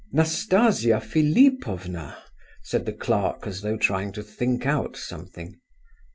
"Nastasia Philipovna?" said the clerk, as though trying to think out something.